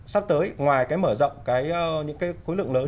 sắp tới ngoài mở rộng những khối lượng lớn